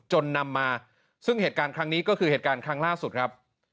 นำมาซึ่งเหตุการณ์ครั้งนี้ก็คือเหตุการณ์ครั้งล่าสุดครับ